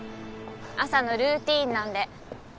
朝のルーティンなんで。